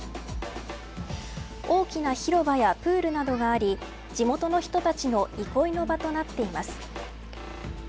大きな広場やプールなどがあり地元の人たちの憩いの場となっています。